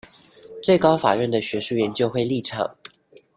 最高法院的學術研究會立場